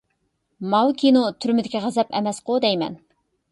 ماۋۇ كىنو «تۈرمىدىكى غەزەپ» ئەمەسقۇ دەيمەن.